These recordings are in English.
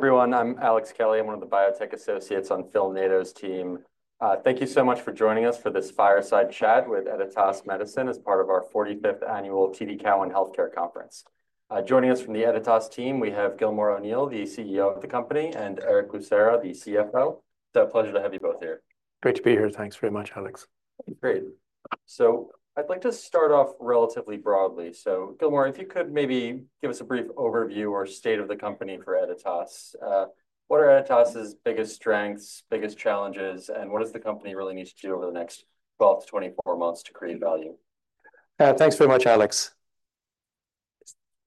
Hey, everyone. I'm Alex Kelly. I'm one of the biotech associates on Phil Nadeau team. Thank you so much for joining us for this fireside chat with Editas Medicine as part of our 45th annual TD Cowen Healthcare Conference. Joining us from the Editas team, we have Gilmore O’Neill, the CEO of the company, and Erick Lucera, the CFO. It's a pleasure to have you both here. Great to be here. Thanks very much, Alex. Great. I'd like to start off relatively broadly. Gilmore, if you could maybe give us a brief overview or state of the company for Editas. What are Editas's biggest strengths, biggest challenges, and what does the company really need to do over the next 12 to 24 months to create value? Thanks very much, Alex.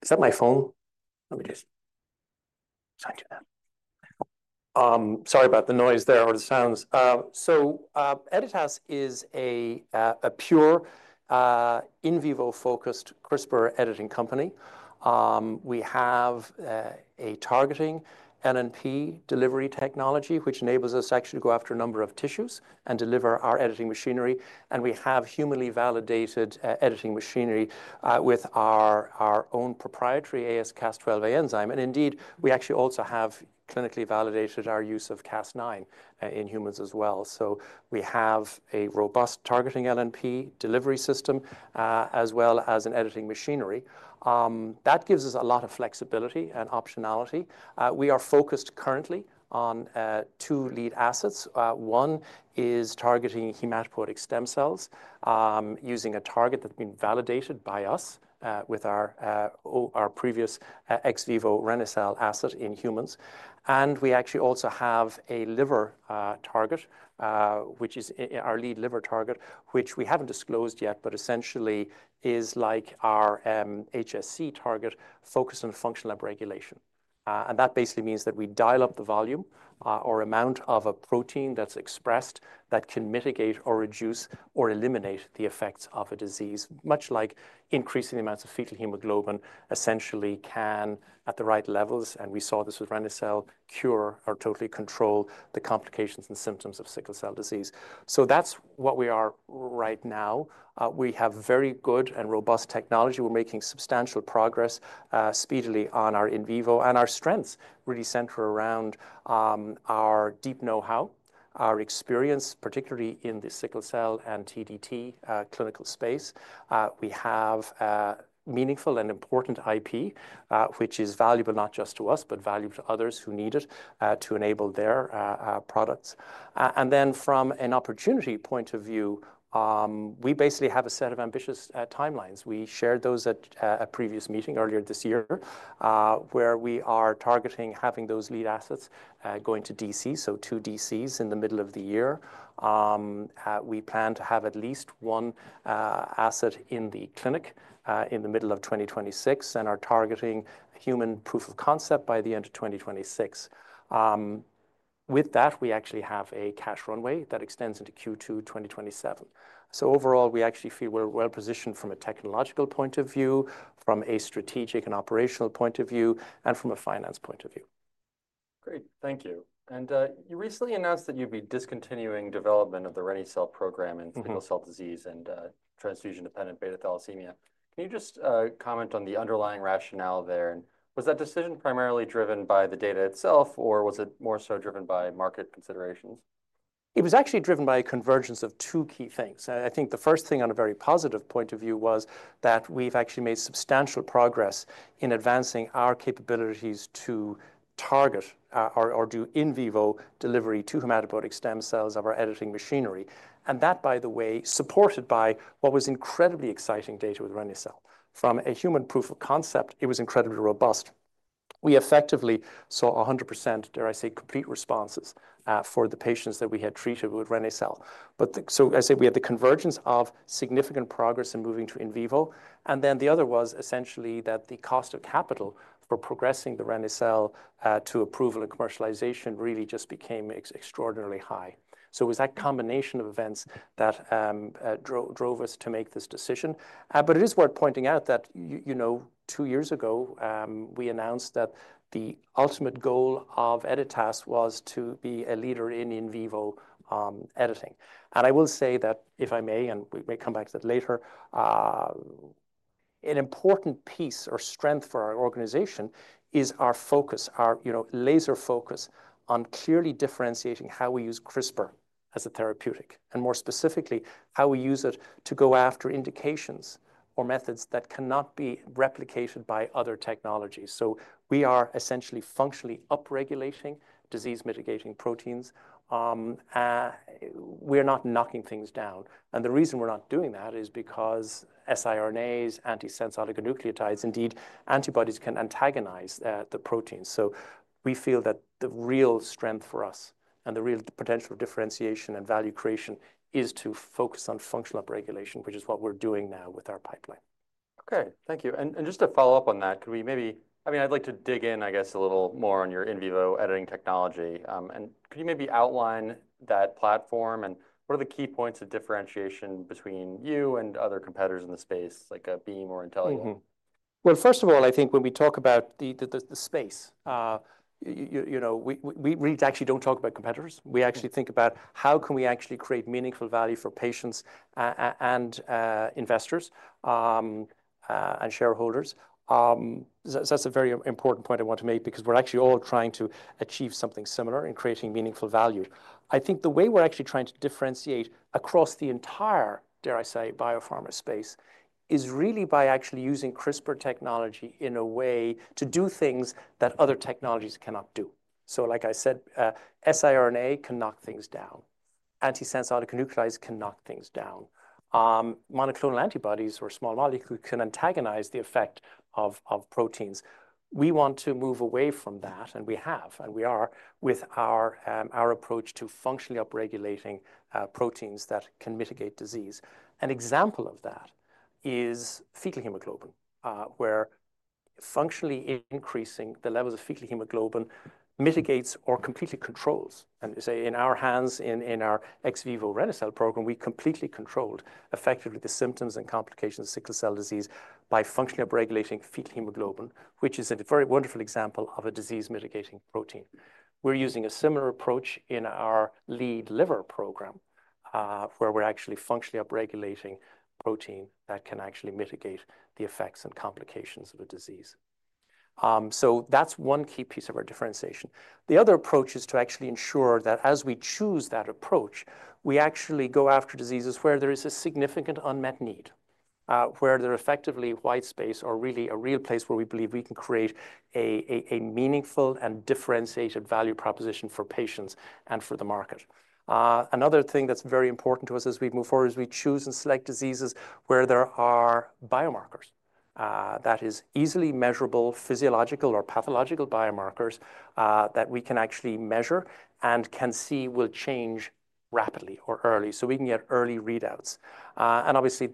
Is that my phone? Let me just sign to that. Sorry about the noise there or the sounds. Editas is a pure in vivo focused CRISPR editing company. We have a targeting LNP delivery technology, which enables us actually to go after a number of tissues and deliver our editing machinery. We have humanly validated editing machinery with our own proprietary AsCas12a enzyme. Indeed, we actually also have clinically validated our use of Cas9 in humans as well. We have a robust targeting LNP delivery system, as well as an editing machinery. That gives us a lot of flexibility and optionality. We are focused currently on two lead assets. One is targeting hematopoietic stem cells using a target that's been validated by us with our previous ex vivo reni-cel asset in humans. We actually also have a liver target, which is our lead liver target, which we haven't disclosed yet, but essentially is like our HSC target focused on functional regulation. That basically means that we dial up the volume or amount of a protein that's expressed that can mitigate or reduce or eliminate the effects of a disease, much like increasing the amounts of fetal hemoglobin essentially can, at the right levels, and we saw this with reni-cel, cure or totally control the complications and symptoms of sickle cell disease. That is what we are right now. We have very good and robust technology. We're making substantial progress speedily on our in vivo. Our strengths really center around our deep know-how, our experience, particularly in the sickle cell and TDT clinical space. We have meaningful and important IP, which is valuable not just to us, but valuable to others who need it to enable their products. From an opportunity point of view, we basically have a set of ambitious timelines. We shared those at a previous meeting earlier this year, where we are targeting having those lead assets going to DC, so two DCs in the middle of the year. We plan to have at least one asset in the clinic in the middle of 2026 and are targeting human proof of concept by the end of 2026. With that, we actually have a cash runway that extends into Q2 2027. Overall, we actually feel we're well positioned from a technological point of view, from a strategic and operational point of view, and from a finance point of view. Great. Thank you. You recently announced that you'd be discontinuing development of the reni-cel program in sickle cell disease and transfusion-dependent beta thalassemia. Can you just comment on the underlying rationale there? Was that decision primarily driven by the data itself, or was it more so driven by market considerations? It was actually driven by a convergence of two key things. I think the first thing on a very positive point of view was that we've actually made substantial progress in advancing our capabilities to target or do in vivo delivery to hematopoietic stem cells of our editing machinery. That, by the way, was supported by what was incredibly exciting data with reni-cel. From a human proof of concept, it was incredibly robust. We effectively saw 100%, dare I say, complete responses for the patients that we had treated with reni-cel. I say we had the convergence of significant progress in moving to in vivo. The other was essentially that the cost of capital for progressing the reni-cel to approval and commercialization really just became extraordinarily high. It was that combination of events that drove us to make this decision. It is worth pointing out that two years ago, we announced that the ultimate goal of Editas was to be a leader in in vivo editing. I will say that, if I may, and we may come back to that later, an important piece or strength for our organization is our focus, our laser focus on clearly differentiating how we use CRISPR as a therapeutic, and more specifically, how we use it to go after indications or methods that cannot be replicated by other technologies. We are essentially functionally upregulating disease mitigating proteins. We're not knocking things down. The reason we're not doing that is because siRNAs, antisense oligonucleotides, indeed, antibodies can antagonize the protein. We feel that the real strength for us and the real potential differentiation and value creation is to focus on functional upregulation, which is what we're doing now with our pipeline. Okay. Thank you. Just to follow up on that, could we maybe, I mean, I'd like to dig in, I guess, a little more on your in vivo editing technology. Could you maybe outline that platform and what are the key points of differentiation between you and other competitors in the space, like Beam or Intellia? First of all, I think when we talk about the space, we really actually do not talk about competitors. We actually think about how can we actually create meaningful value for patients and investors and shareholders. That is a very important point I want to make because we are actually all trying to achieve something similar in creating meaningful value. I think the way we are actually trying to differentiate across the entire, dare I say, biopharma space is really by actually using CRISPR technology in a way to do things that other technologies cannot do. Like I said, siRNA can knock things down. Antisense oligonucleotides can knock things down. Monoclonal antibodies or small molecules can antagonize the effect of proteins. We want to move away from that, and we have, and we are with our approach to functionally upregulating proteins that can mitigate disease. An example of that is fetal hemoglobin, where functionally increasing the levels of fetal hemoglobin mitigates or completely controls. In our hands, in our ex vivo reni-cel program, we completely controlled effectively the symptoms and complications of sickle cell disease by functionally upregulating fetal hemoglobin, which is a very wonderful example of a disease mitigating protein. We're using a similar approach in our lead liver program, where we're actually functionally upregulating protein that can actually mitigate the effects and complications of a disease. That is one key piece of our differentiation. The other approach is to actually ensure that as we choose that approach, we actually go after diseases where there is a significant unmet need, where there are effectively white space or really a real place where we believe we can create a meaningful and differentiated value proposition for patients and for the market. Another thing that's very important to us as we move forward is we choose and select diseases where there are biomarkers. That is, easily measurable physiological or pathological biomarkers that we can actually measure and can see will change rapidly or early, so we can get early readouts. Obviously,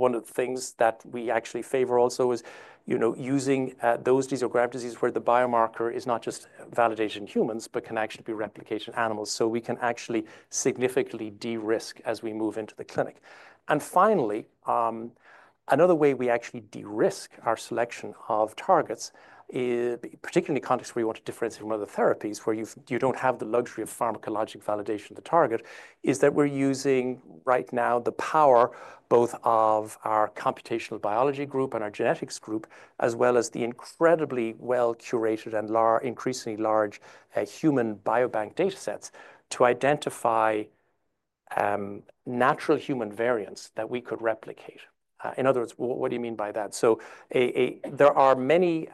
one of the things that we actually favor also is using those diseases or graft diseases where the biomarker is not just validated in humans, but can actually be replicated in animals, so we can actually significantly de-risk as we move into the clinic. Finally, another way we actually de-risk our selection of targets, particularly in the context where you want to differentiate from other therapies, where you do not have the luxury of pharmacologic validation of the target, is that we are using right now the power both of our computational biology group and our genetics group, as well as the incredibly well-curated and increasingly large human biobank data sets to identify natural human variants that we could replicate. In other words, what do you mean by that? There are many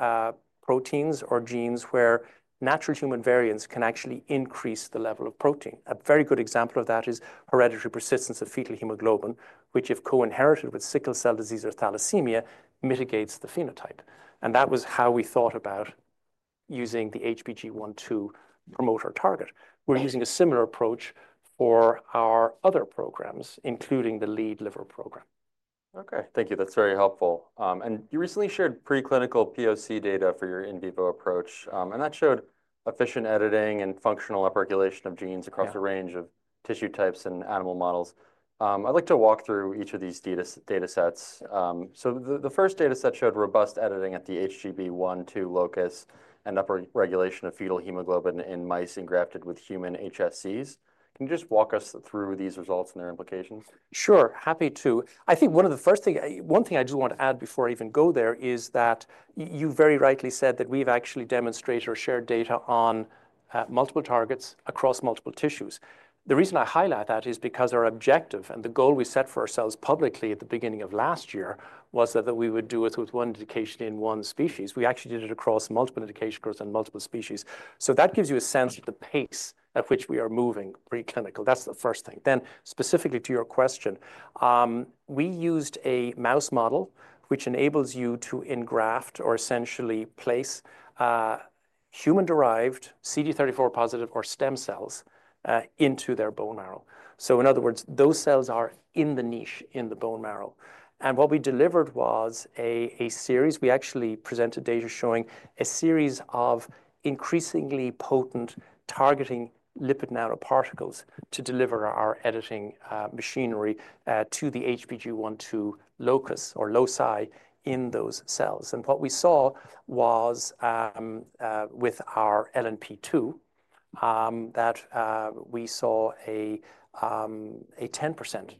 proteins or genes where natural human variants can actually increase the level of protein. A very good example of that is hereditary persistence of fetal hemoglobin, which if co-inherited with sickle cell disease or thalassemia, mitigates the phenotype. That was how we thought about using the HBG1/2 promoter target. We're using a similar approach for our other programs, including the lead liver program. Okay. Thank you. That's very helpful. You recently shared preclinical POC data for your in vivo approach. That showed efficient editing and functional upregulation of genes across a range of tissue types and animal models. I'd like to walk through each of these data sets. The first data set showed robust editing at the HBG1/2 locus and upregulation of fetal hemoglobin in mice engrafted with human HSCs. Can you just walk us through these results and their implications? Sure. Happy to. I think one of the first things, one thing I just want to add before I even go there is that you very rightly said that we've actually demonstrated or shared data on multiple targets across multiple tissues. The reason I highlight that is because our objective and the goal we set for ourselves publicly at the beginning of last year was that we would do it with one indication in one species. We actually did it across multiple indication groups and multiple species. That gives you a sense of the pace at which we are moving preclinical. That's the first thing. Specifically to your question, we used a mouse model, which enables you to engraft or essentially place human-derived CD34 positive or stem cells into their bone marrow. In other words, those cells are in the niche in the bone marrow. What we delivered was a series. We actually presented data showing a series of increasingly potent targeted lipid nanoparticles to deliver our editing machinery to the HBG1/2 locus or loci in those cells. What we saw was with our LNP2 that we saw a 10%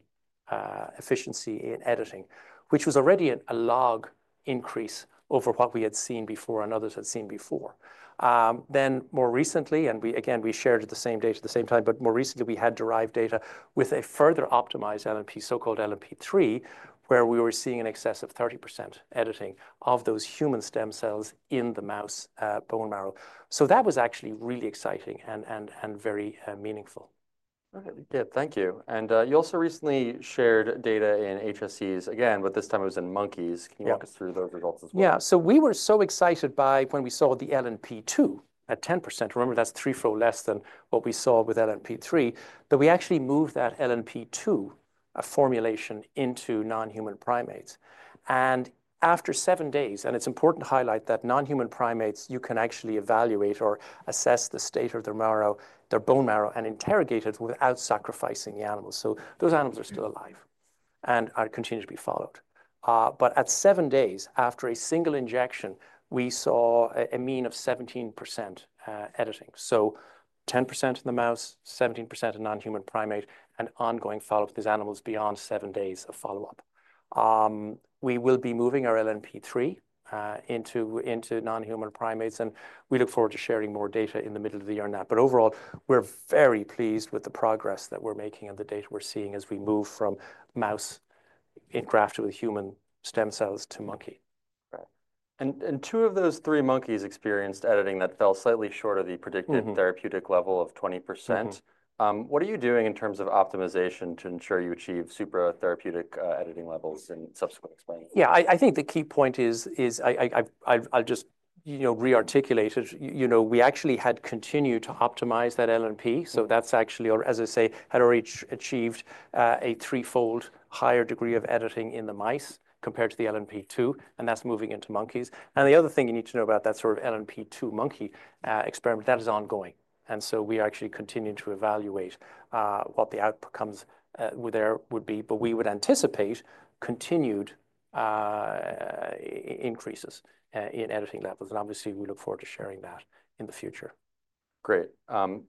efficiency in editing, which was already a log increase over what we had seen before and others had seen before. More recently, and again, we shared the same data at the same time, but more recently, we had derived data with a further optimized LNP, so-called LNP3, where we were seeing an excess of 30% editing of those human stem cells in the mouse bone marrow. That was actually really exciting and very meaningful. Okay. Yeah. Thank you. You also recently shared data in HSCs, again, but this time it was in monkeys. Can you walk us through those results as well? Yeah. We were so excited by when we saw the LNP2 at 10%. Remember, that's three-fold less than what we saw with LNP3, that we actually moved that LNP2 formulation into non-human primates. After seven days, and it's important to highlight that in non-human primates, you can actually evaluate or assess the state of their marrow, their bone marrow, and interrogate it without sacrificing the animals. Those animals are still alive and continue to be followed. At seven days after a single injection, we saw a mean of 17% editing. So 10% in the mouse, 17% in non-human primate, and ongoing follow-up with these animals beyond seven days of follow-up. We will be moving our LNP3 into non-human primates, and we look forward to sharing more data in the middle of the year on that. Overall, we're very pleased with the progress that we're making and the data we're seeing as we move from mouse engrafted with human stem cells to monkey. Two of those three monkeys experienced editing that fell slightly short of the predicted therapeutic level of 20%. What are you doing in terms of optimization to ensure you achieve supratherapeutic editing levels in subsequent experiments? Yeah. I think the key point is I'll just rearticulate it. We actually had continued to optimize that LNP. So that's actually, or as I say, had already achieved a threefold higher degree of editing in the mice compared to the LNP2, and that's moving into monkeys. The other thing you need to know about that sort of LNP2 monkey experiment, that is ongoing. We are actually continuing to evaluate what the outcomes there would be, but we would anticipate continued increases in editing levels. Obviously, we look forward to sharing that in the future. Great. Kind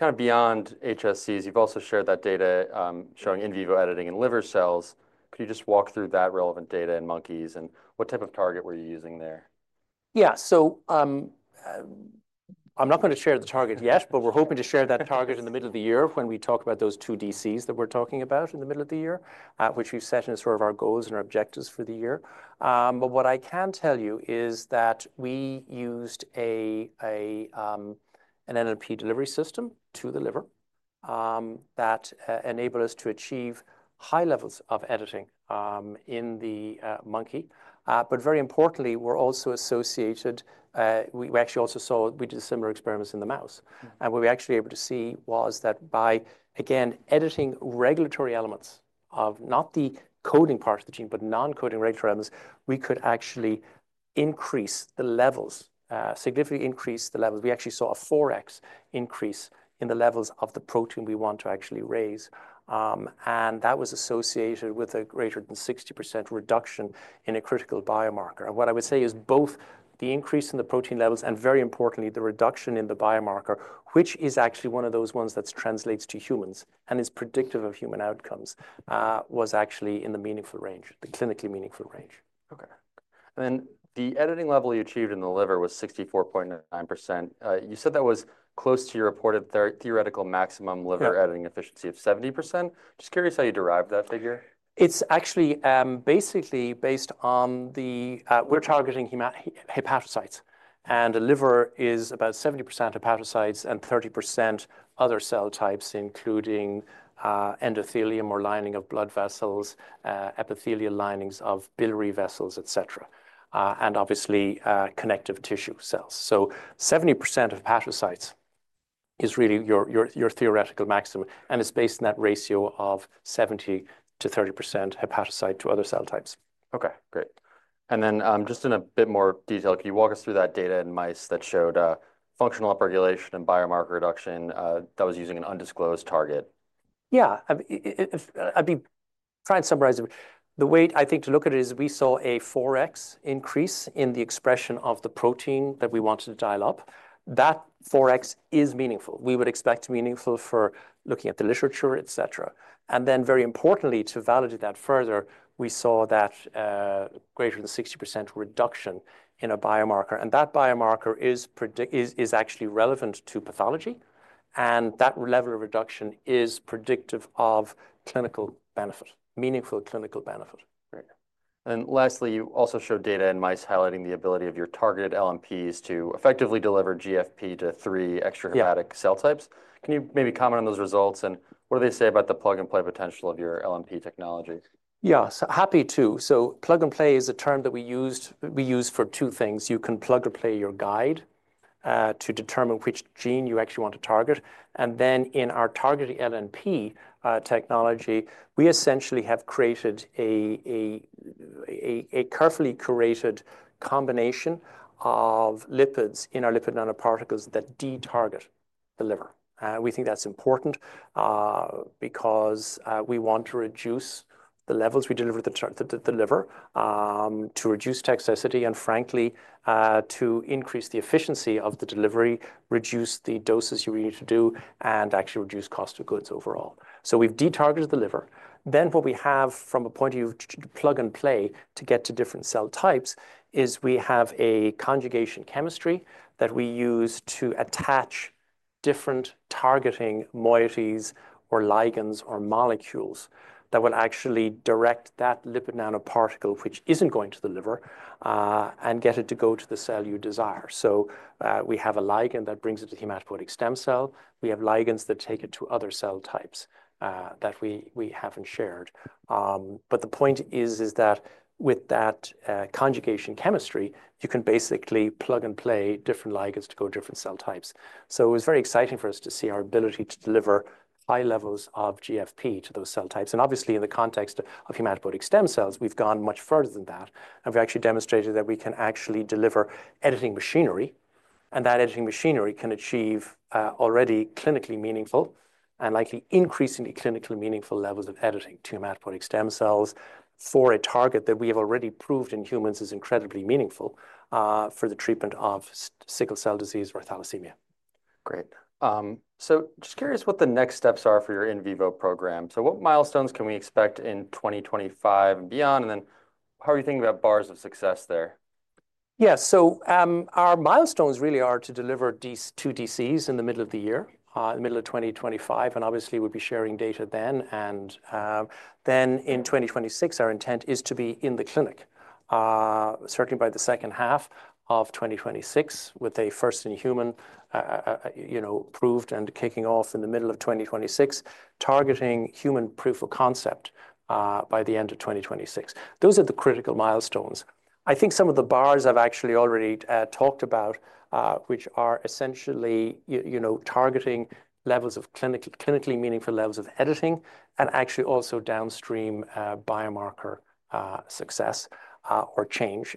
of beyond HSCs, you've also shared that data showing in vivo editing in liver cells. Could you just walk through that relevant data in monkeys and what type of target were you using there? Yeah. I'm not going to share the target yet, but we're hoping to share that target in the middle of the year when we talk about those two DCs that we're talking about in the middle of the year, which we've set as sort of our goals and our objectives for the year. What I can tell you is that we used an LNP delivery system to the liver that enabled us to achieve high levels of editing in the monkey. Very importantly, we actually also saw, we did similar experiments in the mouse. What we were actually able to see was that by, again, editing regulatory elements of not the coding part of the gene, but non-coding regulatory elements, we could actually increase the levels, significantly increase the levels. We actually saw a 4x increase in the levels of the protein we want to actually raise. That was associated with a greater than 60% reduction in a critical biomarker. What I would say is both the increase in the protein levels and, very importantly, the reduction in the biomarker, which is actually one of those ones that translates to humans and is predictive of human outcomes, was actually in the meaningful range, the clinically meaningful range. Okay. The editing level you achieved in the liver was 64.9%. You said that was close to your reported theoretical maximum liver editing efficiency of 70%. Just curious how you derived that figure. It's actually basically based on the we're targeting hepatocytes. The liver is about 70% hepatocytes and 30% other cell types, including endothelium or lining of blood vessels, epithelial linings of biliary vessels, et cetera, and obviously connective tissue cells. 70% of hepatocytes is really your theoretical maximum. It's based on that ratio of 70%-30% hepatocyte to other cell types. Okay. Great. In a bit more detail, could you walk us through that data in mice that showed functional upregulation and biomarker reduction that was using an undisclosed target? Yeah. I'd be trying to summarize it. The way I think to look at it is we saw a 4x increase in the expression of the protein that we wanted to dial up. That 4x is meaningful. We would expect meaningful for looking at the literature, et cetera. Very importantly, to validate that further, we saw that greater than 60% reduction in a biomarker. That biomarker is actually relevant to pathology. That level of reduction is predictive of clinical benefit, meaningful clinical benefit. Great. Lastly, you also showed data in mice highlighting the ability of your targeted LNPs to effectively deliver GFP to three extrahepatic cell types. Can you maybe comment on those results and what do they say about the plug-and-play potential of your LNP technology? Yeah. Happy to. Plug-and-play is a term that we used for two things. You can plug or play your guide to determine which gene you actually want to target. In our targeted LNP technology, we essentially have created a carefully curated combination of lipids in our lipid nanoparticles that de-target the liver. We think that's important because we want to reduce the levels we deliver to the liver to reduce toxicity and, frankly, to increase the efficiency of the delivery, reduce the doses you need to do, and actually reduce cost of goods overall. We have de-targeted the liver. What we have from a point of view of plug-and-play to get to different cell types is we have a conjugation chemistry that we use to attach different targeting moieties or ligands or molecules that will actually direct that lipid nanoparticle, which is not going to the liver, and get it to go to the cell you desire. We have a ligand that brings it to hematopoietic stem cell. We have ligands that take it to other cell types that we have not shared. The point is that with that conjugation chemistry, you can basically plug and play different ligands to go to different cell types. It was very exciting for us to see our ability to deliver high levels of GFP to those cell types. Obviously, in the context of hematopoietic stem cells, we have gone much further than that. We have actually demonstrated that we can actually deliver editing machinery. That editing machinery can achieve already clinically meaningful and likely increasingly clinically meaningful levels of editing to hematopoietic stem cells for a target that we have already proved in humans is incredibly meaningful for the treatment of sickle cell disease or thalassemia. Great. Just curious what the next steps are for your in vivo program. What milestones can we expect in 2025 and beyond? How are you thinking about bars of success there? Yeah. Our milestones really are to deliver two DCs in the middle of the year, in the middle of 2025. Obviously, we'll be sharing data then. In 2026, our intent is to be in the clinic, certainly by the second half of 2026, with a first in human proved and kicking off in the middle of 2026, targeting human proof of concept by the end of 2026. Those are the critical milestones. I think some of the bars I've actually already talked about, which are essentially targeting levels of clinically meaningful levels of editing and actually also downstream biomarker success or change.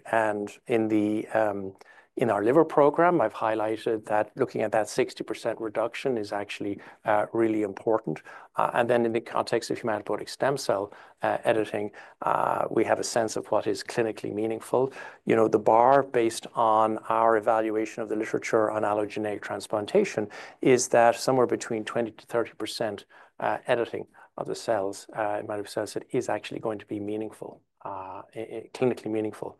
In our liver program, I've highlighted that looking at that 60% reduction is actually really important. In the context of hematopoietic stem cell editing, we have a sense of what is clinically meaningful. The bar based on our evaluation of the literature on allogeneic transplantation is that somewhere between 20%-30% editing of the cells, hematopoietic cells, is actually going to be meaningful, clinically meaningful,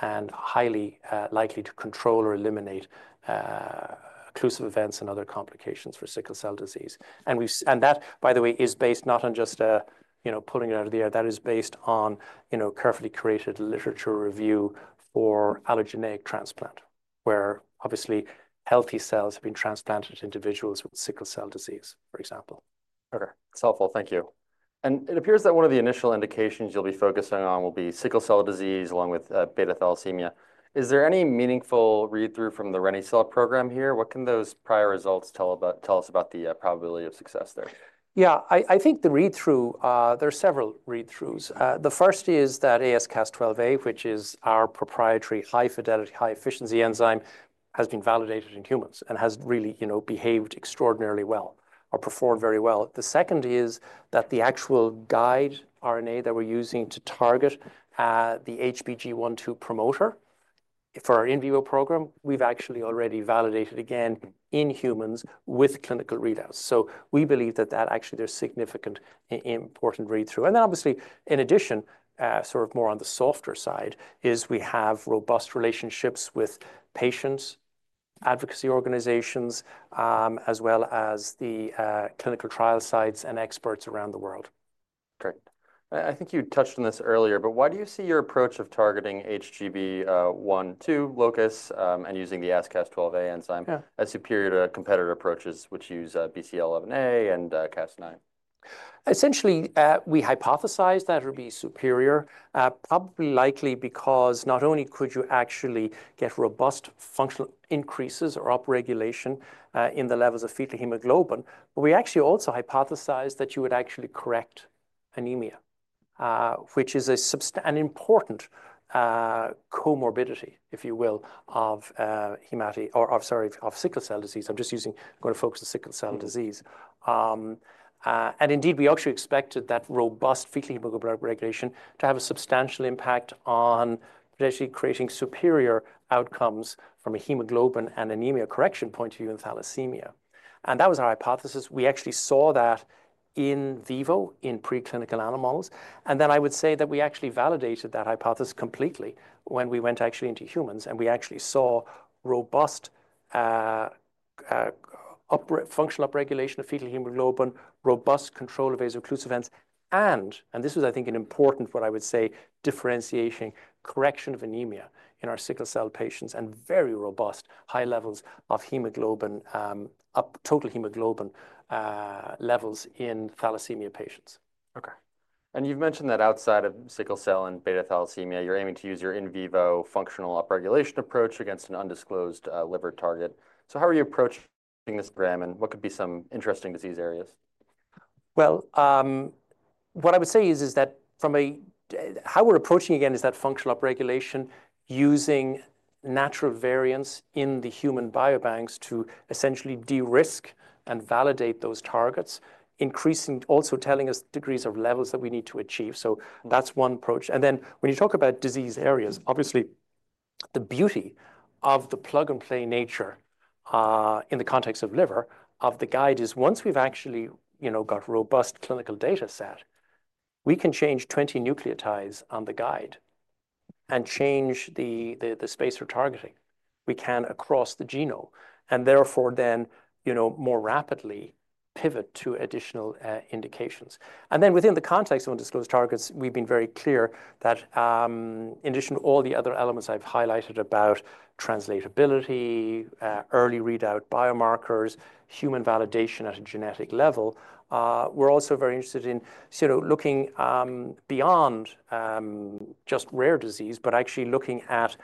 and highly likely to control or eliminate occlusive events and other complications for sickle cell disease. That, by the way, is based not on just pulling it out of the air. That is based on carefully curated literature review for allogeneic transplant, where obviously healthy cells have been transplanted to individuals with sickle cell disease, for example. Okay. It's helpful. Thank you. It appears that one of the initial indications you'll be focusing on will be sickle cell disease along with beta thalassemia. Is there any meaningful read-through from the reni-cel program here? What can those prior results tell us about the probability of success there? Yeah. I think the read-through, there are several read-throughs. The first is that ASCas12a, which is our proprietary high-fidelity, high-efficiency enzyme, has been validated in humans and has really behaved extraordinarily well or performed very well. The second is that the actual guide RNA that we're using to target the HBG1/2 promoter for our in vivo program, we've actually already validated again in humans with clinical readouts. We believe that that actually there's significant important read-through. Obviously, in addition, sort of more on the softer side is we have robust relationships with patients, advocacy organizations, as well as the clinical trial sites and experts around the world. Great. I think you touched on this earlier, but why do you see your approach of targeting HBG12 locus and using the AsCas12a enzyme as superior to competitor approaches, which use BCL11A and Cas9? Essentially, we hypothesized that it would be superior, probably likely because not only could you actually get robust functional increases or upregulation in the levels of fetal hemoglobin, but we actually also hypothesized that you would actually correct anemia, which is an important comorbidity, if you will, of sickle cell disease. I'm just going to focus on sickle cell disease. Indeed, we actually expected that robust fetal hemoglobin upregulation to have a substantial impact on potentially creating superior outcomes from a hemoglobin and anemia correction point of view in thalassemia. That was our hypothesis. We actually saw that in vivo in preclinical animals. I would say that we actually validated that hypothesis completely when we went actually into humans. We actually saw robust functional upregulation of fetal hemoglobin, robust control of vaso-occlusive events, and this was, I think, an important what I would say differentiation correction of anemia in our sickle cell patients and very robust high levels of total hemoglobin levels in thalassemia patients. Okay. You've mentioned that outside of sickle cell and beta thalassemia, you're aiming to use your in vivo functional upregulation approach against an undisclosed liver target. How are you approaching this program and what could be some interesting disease areas? What I would say is that from a how we're approaching again is that functional upregulation using natural variants in the human biobanks to essentially de-risk and validate those targets, increasing also telling us degrees of levels that we need to achieve. That's one approach. When you talk about disease areas, obviously, the beauty of the plug-and-play nature in the context of liver of the guide is once we've actually got a robust clinical data set, we can change 20 nucleotides on the guide and change the spacer targeting. We can across the genome and therefore then more rapidly pivot to additional indications. Within the context of undisclosed targets, we've been very clear that in addition to all the other elements I've highlighted about translatability, early readout biomarkers, human validation at a genetic level, we're also very interested in looking beyond just rare disease, but actually looking at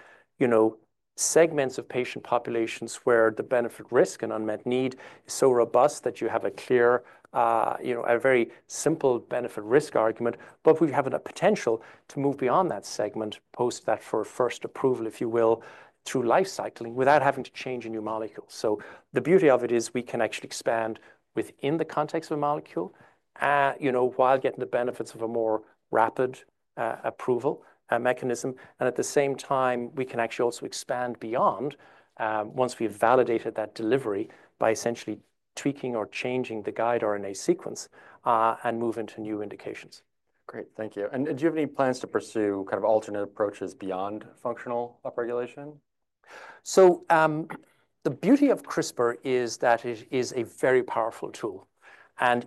segments of patient populations where the benefit-risk and unmet need is so robust that you have a clear, a very simple benefit-risk argument. We have a potential to move beyond that segment, post that first approval, if you will, through life cycling without having to change a new molecule. The beauty of it is we can actually expand within the context of a molecule while getting the benefits of a more rapid approval mechanism. At the same time, we can actually also expand beyond once we've validated that delivery by essentially tweaking or changing the guide RNA sequence and move into new indications. Great. Thank you. Do you have any plans to pursue kind of alternate approaches beyond functional upregulation? The beauty of CRISPR is that it is a very powerful tool.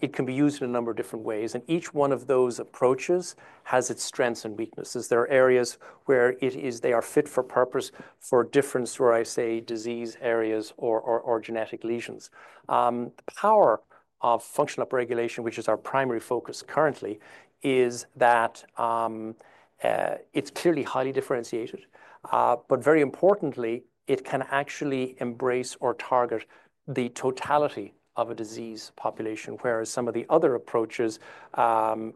It can be used in a number of different ways. Each one of those approaches has its strengths and weaknesses. There are areas where it is fit for purpose for different, where I say, disease areas or genetic lesions. The power of functional upregulation, which is our primary focus currently, is that it's clearly highly differentiated. Very importantly, it can actually embrace or target the totality of a disease population, whereas some of the other approaches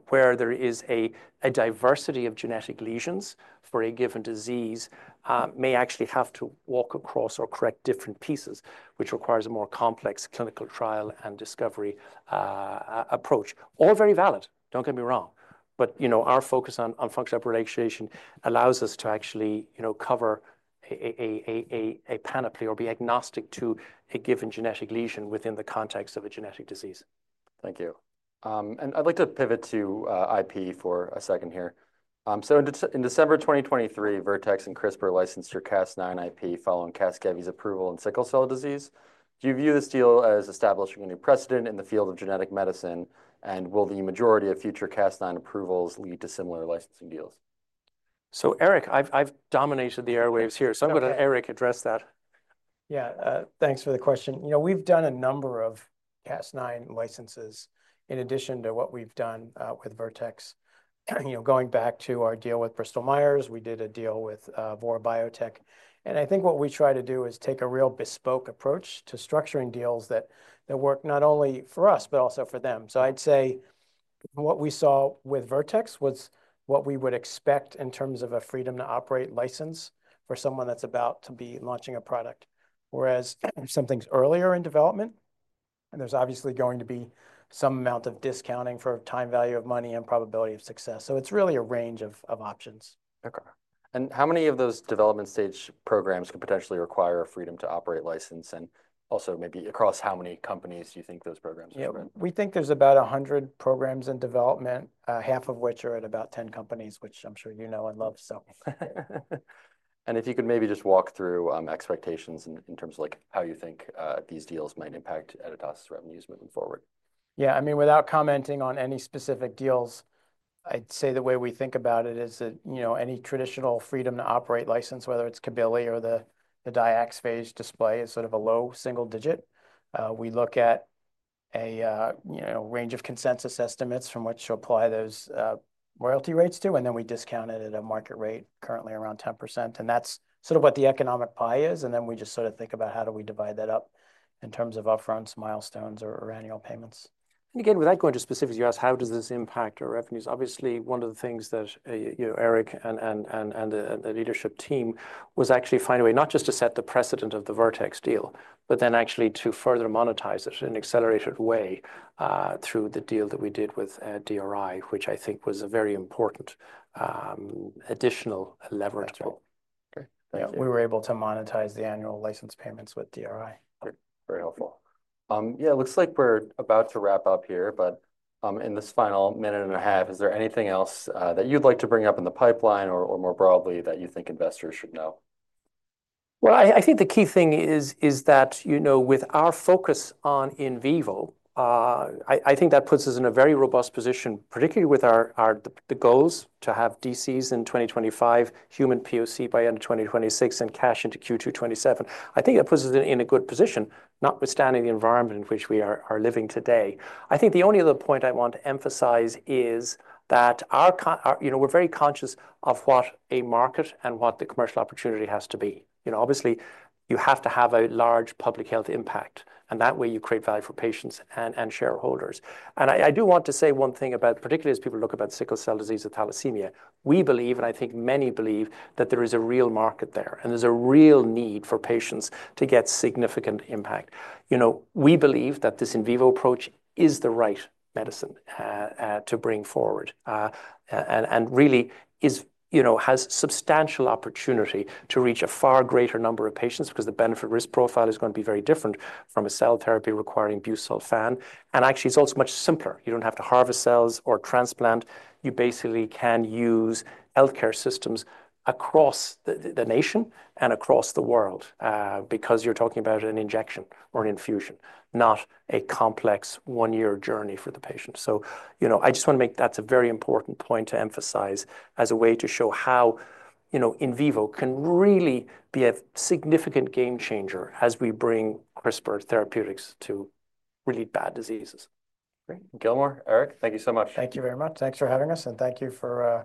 where there is a diversity of genetic lesions for a given disease may actually have to walk across or correct different pieces, which requires a more complex clinical trial and discovery approach. All very valid. Don't get me wrong. Our focus on functional upregulation allows us to actually cover a panoply or be agnostic to a given genetic lesion within the context of a genetic disease. Thank you. I'd like to pivot to IP for a second here. In December 2023, Vertex and CRISPR licensed your Cas9 IP following Cas9's approval in sickle cell disease. Do you view this deal as establishing a new precedent in the field of genetic medicine? Will the majority of future Cas9 approvals lead to similar licensing deals? Eric, I've dominated the airwaves here. I'm going to let Eric address that. Yeah. Thanks for the question. We've done a number of Cas9 licenses in addition to what we've done with Vertex. Going back to our deal with Bristol Myers, we did a deal with Vora Biotech. I think what we try to do is take a real bespoke approach to structuring deals that work not only for us, but also for them. I'd say what we saw with Vertex was what we would expect in terms of a freedom-to-operate license for someone that's about to be launching a product. Whereas if something's earlier in development, there's obviously going to be some amount of discounting for time value of money and probability of success. It's really a range of options. Okay. How many of those development stage programs could potentially require a freedom-to-operate license? Also, maybe across how many companies do you think those programs are? We think there's about 100 programs in development, half of which are at about 10 companies, which I'm sure you know and love. If you could maybe just walk through expectations in terms of how you think these deals might impact Editas's revenues moving forward. Yeah. I mean, without commenting on any specific deals, I'd say the way we think about it is that any traditional freedom-to-operate license, whether it's Kabili or the Dyax phage display, is sort of a low single digit. We look at a range of consensus estimates from which to apply those royalty rates to. We discount it at a market rate currently around 10%. That's sort of what the economic pie is. We just sort of think about how do we divide that up in terms of upfront milestones or annual payments. Again, without going to specifics, you asked how does this impact our revenues. Obviously, one of the things that Eric and the leadership team was actually finding a way not just to set the precedent of the Vertex deal, but then actually to further monetize it in an accelerated way through the deal that we did with DRI, which I think was a very important additional leverage. We were able to monetize the annual license payments with DRI. Very helpful. Yeah. It looks like we're about to wrap up here. In this final minute and a half, is there anything else that you'd like to bring up in the pipeline or more broadly that you think investors should know? I think the key thing is that with our focus on in vivo, I think that puts us in a very robust position, particularly with the goals to have DCs in 2025, human POC by end of 2026, and cash into Q2 2027. I think that puts us in a good position, notwithstanding the environment in which we are living today. I think the only other point I want to emphasize is that we're very conscious of what a market and what the commercial opportunity has to be. Obviously, you have to have a large public health impact. That way, you create value for patients and shareholders. I do want to say one thing about particularly as people look about sickle cell disease with thalassemia, we believe, and I think many believe, that there is a real market there. There is a real need for patients to get significant impact. We believe that this in vivo approach is the right medicine to bring forward and really has substantial opportunity to reach a far greater number of patients because the benefit-risk profile is going to be very different from a cell therapy requiring busulfan. Actually, it is also much simpler. You do not have to harvest cells or transplant. You basically can use healthcare systems across the nation and across the world because you are talking about an injection or an infusion, not a complex one-year journey for the patient. I just want to make that a very important point to emphasize as a way to show how in vivo can really be a significant game changer as we bring CRISPR therapeutics to really bad diseases. Great. Gilmore, Eric, thank you so much. Thank you very much. Thanks for having us. Thank you for.